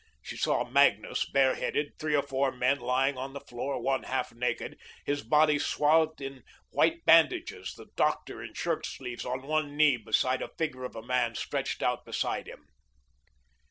She saw Magnus, bareheaded, three or four men lying on the floor, one half naked, his body swathed in white bandages; the doctor in shirt sleeves, on one knee beside a figure of a man stretched out beside him.